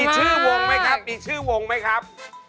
สวัสดีครับ